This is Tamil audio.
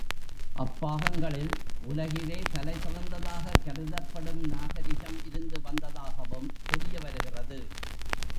அப்பாகங்களில் உலகிலே தலை சிறந்ததாகக் கருதப்படும் நாகரிகம் இருந்து வந்ததாகவும் தெரிய வருகிறது.